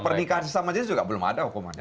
pernikahan sesama jenis juga belum ada hukumannya